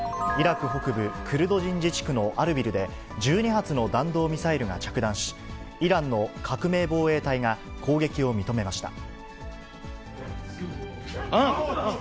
イラク北部クルド人自治区のアルビルで、１２発の弾道ミサイルが着弾し、イランの革命防衛隊が攻撃を認めました。